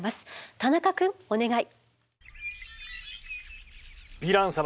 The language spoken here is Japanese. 田中くんお願い！